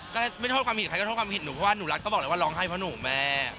ก็ไม่โทษความผิดใครก็โทษความผิดหนูเพราะว่าหนูรักก็บอกเลยว่าร้องไห้เพราะหนูแม่